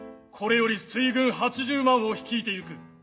これより水軍８０万を率いて行く。